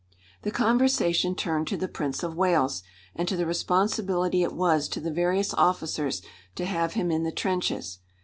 The conversation turned to the Prince of Wales, and to the responsibility it was to the various officers to have him in the trenches.